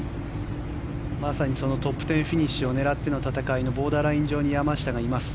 まさにトップ１０フィニッシュを狙っての戦いのボーダーライン上に山下がいます。